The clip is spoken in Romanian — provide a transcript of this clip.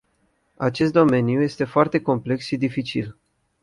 Acest domeniu este foarte complex și dificil.